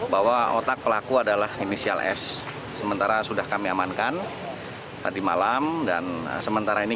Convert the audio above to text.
bahwa otak pelaku adalah inisial s sementara sudah kami amankan tadi malam dan sementara ini